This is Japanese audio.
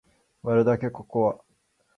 割るだけココア